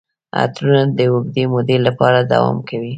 عطرونه د اوږدې مودې لپاره دوام کوي.